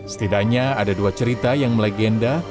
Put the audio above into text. setidaknya ada dua cerita yang melegenda